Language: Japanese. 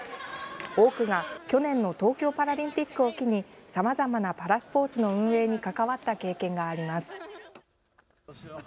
多くが去年の東京パラリンピックを機にさまざまなパラスポーツの運営に関わった経験があります。